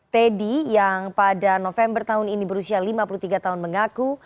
teddy yang pada november tahun ini berusia lima puluh tiga tahun mengaku